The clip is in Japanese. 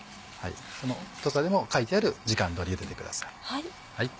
その太さでも書いてある時間通り茹でてください。